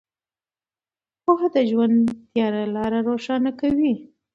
پوهه د ژوند تیاره لارې روښانه کوي.